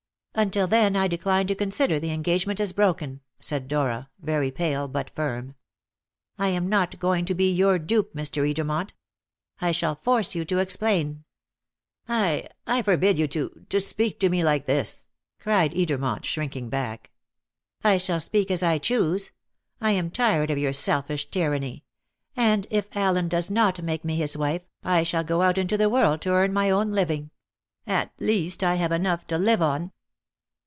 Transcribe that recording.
"Until then I decline to consider the engagement as broken," said Dora, very pale, but firm. "I am not going to be your dupe, Mr. Edermont. I shall force you to explain." "I I forbid you to to speak to me like this!" cried Edermont, shrinking back. "I shall speak as I choose I am tired of your selfish tyranny; and if Allen does not make me his wife, I shall go out into the world to earn my own living. At least I have enough to live on."